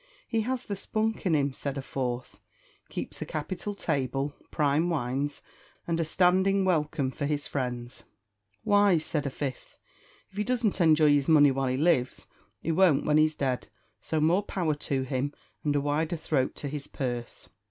"He has the spunk in him," said a fourth; "keeps a capital table, prime wines, and a standing welcome for his friends." "Why," said a fifth, "if he doesn't enjoy his money while he lives, he won't when he's dead; so more power to him, and a wider throat to his purse."